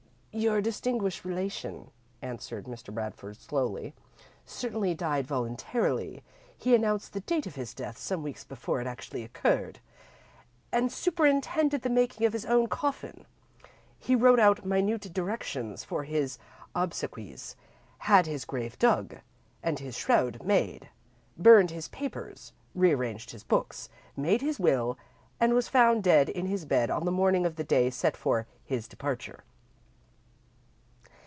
"Your distinguished relation," answered Mr. Bradford, slowly, "certainly died voluntarily. He announced the date of his death some weeks before it actually occurred, and superintended the making of his own coffin. He wrote out minute directions for his obsequies, had his grave dug, and his shroud made, burned his papers, rearranged his books, made his will and was found dead in his bed on the morning of the day set for his departure.